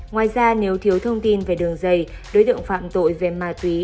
ngoài ra nếu thiếu thông tin về đường dây đối tượng phạm tội về ma túy